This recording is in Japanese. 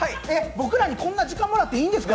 僕らにこんな時間もらっていいんですか？